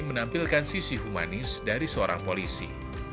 menampilkan sisi humanis dari seorang polisi